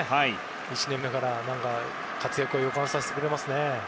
１年目から活躍を予感させてくれますね。